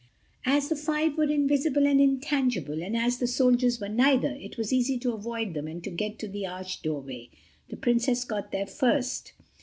As the five were invisible and intangible and as the soldiers were neither, it was easy to avoid them and to get to the arched doorway. The Princess got there first.